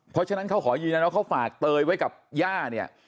เพราะฉะนั้นเขาขอยืนยันว่าเขาฝากเตยไว้กับย่าเนี่ย